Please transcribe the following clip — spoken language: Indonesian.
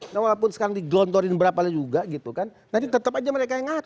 nah walaupun sekarang digelontorin berapa juga gitu kan nanti tetap aja mereka yang ngatur